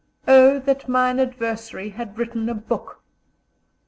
"Oh that mine adversary had written a book!"